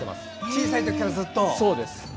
小さい時からずっと。